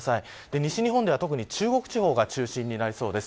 西日本では中国地方が中心になりそうです。